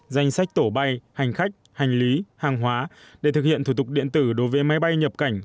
danh sách tổ bay hành khách hành lý hàng hóa để thực hiện thủ tục điện tử đối với máy bay nhập cảnh